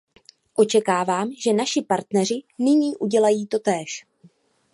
Očekávám, že naši partneři nyní udělají totéž.